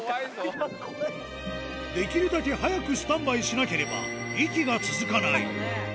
できるだけ早くスタンバイしなければ、息が続かない。